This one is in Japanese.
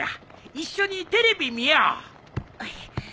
一緒にテレビ見よう。